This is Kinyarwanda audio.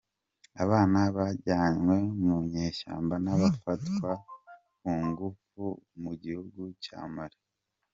Abana bajyanywe mu nyeshyamba banafatwa ku ngufu Mugihugu Cya Mali